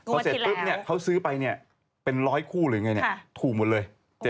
และเมื่อของเขาซื้อไปเนี่ยเป็นล้อยคู่เลยเงี้ยถูงหมดเลย๗๗